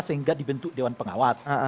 sehingga dibentuk dewan pengawas